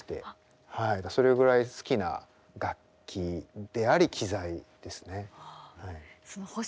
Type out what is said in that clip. はいそれぐらい好きな楽器であり機材ですね。